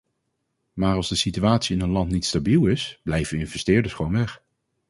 Maar als de situatie in een land niet stabiel is, blijven investeerders gewoon weg.